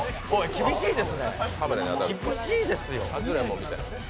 厳しいですよ。